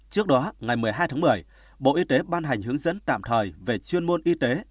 trước đó ngày một mươi hai tháng một mươi bộ y tế ban hành hướng dẫn tạm thời về chuyên môn y tế